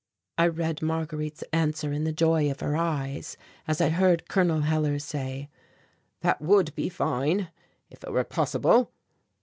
I read Marguerite's answer in the joy of her eyes, as I heard Col. Hellar say: "That would be fine, if it were possible."